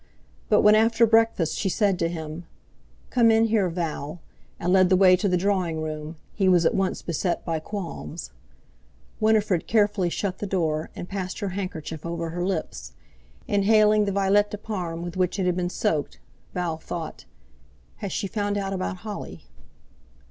But when after breakfast she said to him, "Come in here, Val," and led the way to the drawing room, he was at once beset by qualms. Winifred carefully shut the door and passed her handkerchief over her lips; inhaling the violette de Parme with which it had been soaked, Val thought: "Has she found out about Holly?"